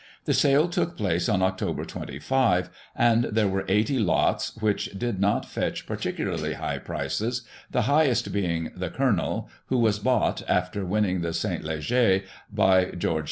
The sale took place on Oct. 25, and there were 80 lots, which did not fetch particu larly high prices, the highest being " The Colonel," who was bought, after winning the St. Leger, by George IV.